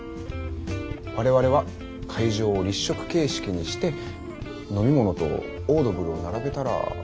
我々は会場を立食形式にして飲み物とオードブルを並べたら終了かな。